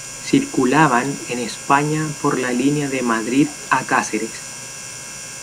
Circulaban, en España, por la línea de Madrid a Cáceres.